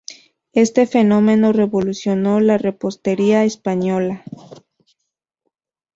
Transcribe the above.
Este fenómeno revolucionó la repostería española.